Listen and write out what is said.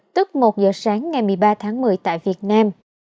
tức một giờ sáng ngày một mươi ba tháng một mươi tại việt nam